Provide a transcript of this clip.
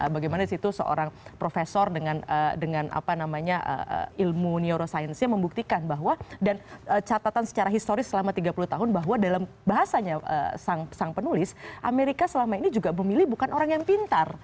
bagaimana di situ seorang profesor dengan ilmu neuroscience nya membuktikan bahwa dan catatan secara historis selama tiga puluh tahun bahwa dalam bahasanya sang penulis amerika selama ini juga memilih bukan orang yang pintar